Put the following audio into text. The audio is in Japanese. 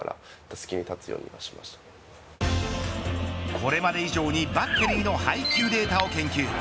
これまで以上にバッテリーの配球データを研究。